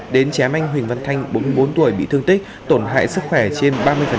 đến chém anh huỳnh văn thanh bốn mươi bốn tuổi bị thương tích tổn hại sức khỏe trên ba mươi